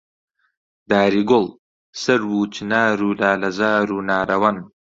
داری گوڵ، سەرو و چنار و لالەزار و نارەوەن